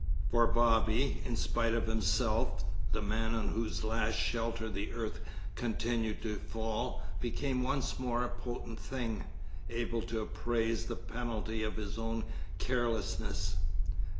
For Bobby, in spite of himself, the man on whose last shelter the earth continued to fall became once more a potent thing, able to appraise the penalty of his own carelessness.